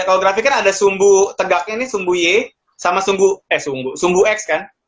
kalau grafik kan ada sumbu tegaknya ini sumbu ye sama sumbu eh sumbu x kan